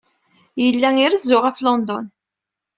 Yella irezzu ɣef London.